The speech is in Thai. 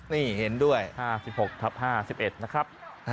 นี่เห็นด้วย๕๖ทับ๕๑นะครับ